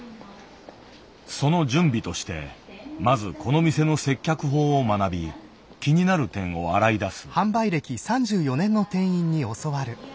その準備としてまずこの店の接客法を学び気になる点を洗い出す。